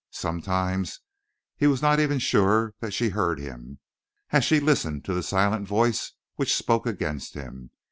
Sometimes he was not even sure that she heard him, as she listened to the silent voice which spoke against him.